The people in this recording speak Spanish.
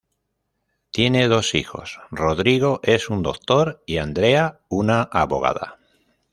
Tienen dos hijos: Rodrigo, es un doctor, y Andrea, una abogada.